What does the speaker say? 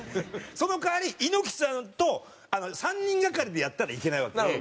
その代わり猪木さんと３人がかりでやったらいけないわけよ。